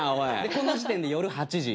この時点で夜８時。